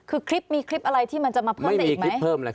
คือคลิปมีคลิปอะไรที่มันจะมาเพิ่มได้อีกไหม